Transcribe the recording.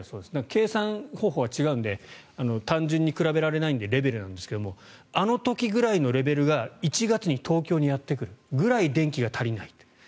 計算方法は違うので単純に比べられないのでレベルなんですけどあの時くらいのレベルが１月に東京にやってくるくらい電気が足りないと。